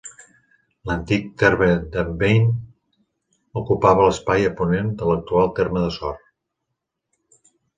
L'antic terme d'Enviny ocupava l'espai a ponent de l'actual terme de Sort.